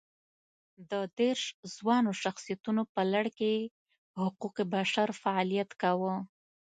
د دېرش ځوانو شخصیتونو په لړ کې یې حقوق بشر فعالیت کاوه.